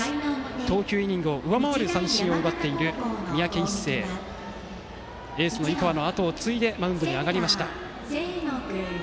投球イニングを上回る三振を奪っていてエースの井川の後を継いでマウンドに上がりました。